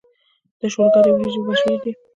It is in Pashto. د شولګرې وريجې مشهورې دي